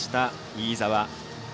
飯澤。